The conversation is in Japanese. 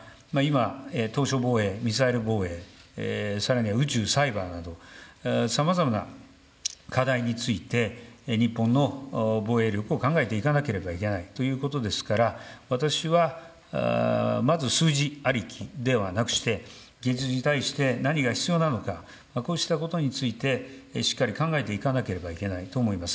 そして防衛費につきましては、今、島しょ防衛、ミサイル防衛、さらには宇宙、サイバーなど、さまざまな課題について、日本の防衛力を考えていかなければいけないということですから、私はまず数字ありきではなくして、事実に対して何が必要なのか、こうしたことについて、しっかり考えていかなければいけないと思います。